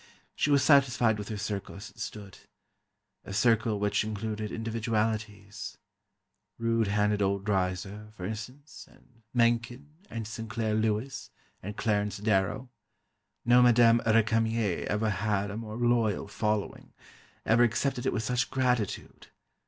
She was satisfied with her circle as it stood—a circle which included individualities: rude handed old Dreiser, for instance, and Mencken, and Sinclair Lewis, and Clarence Darrow. No Madame Récamier ever had a more loyal following, ever accepted it with such gratitude.